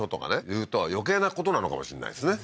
言うと余計なことなのかもしんないですね